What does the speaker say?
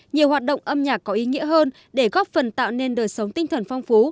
nhiều hoạt động âm nhạc có ý nghĩa hơn để góp phần tạo nên đời sống tinh thần phong phú